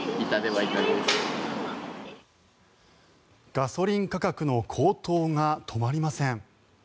ガソリン価格の高騰が止まりません。